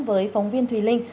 với phóng viên thùy linh